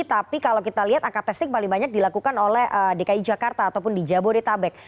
tapi kalau kita lihat angka testing paling banyak dilakukan oleh dki jakarta ataupun di jabodetabek